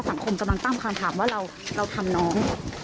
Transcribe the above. สังคมตั้งความถามว่าเราทำน้อง